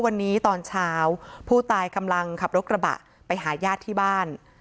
วันนี้ตอนเช้าผู้ตายกำลังขับรถกระบะไปหาญาติที่บ้าน